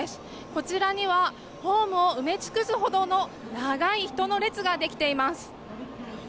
こちらにはホームを埋め尽くすほどの長い人の列が出来ています。